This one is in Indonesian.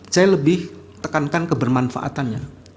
saya lebih tekankan kebermanfaatannya